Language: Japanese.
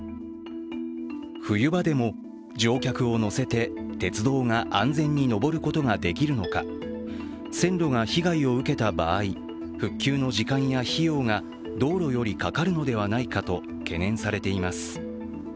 冬場でも乗客を乗せて鉄道が安全に登ることができるのか、線路が被害を受けた場合、復旧の時間や費用が道路よりかかるのではないかと懸念されています。